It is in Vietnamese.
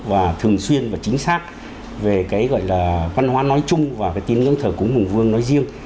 và thường xuyên và chính xác về cái gọi là văn hóa nói chung và cái tín ngưỡng thờ cúng hùng vương nói riêng